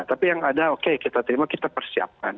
tapi yang ada oke kita terima kita persiapkan